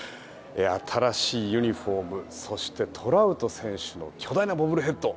新しいユニホームそしてトラウト選手の巨大なボブルヘッド。